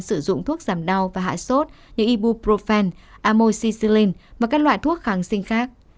sử dụng thuốc giảm đau và hạ sốt như ibuprofen amoxicillin và các loại thuốc kháng sinh khác